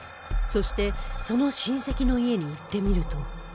そしてその親戚の家に行ってみると